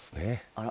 あら？